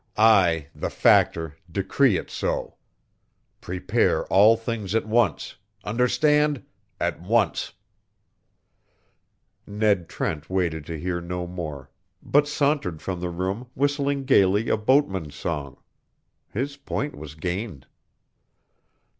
I, the Factor, decree it so. Prepare all things at once understand, at once!" Ned Trent waited to hear no more, but sauntered from the room whistling gayly a boatman's song. His point was gained.